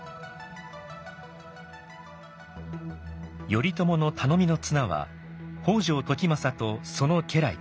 頼朝の頼みの綱は北条時政とその家来たち。